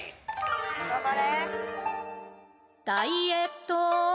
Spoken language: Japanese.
頑張れ！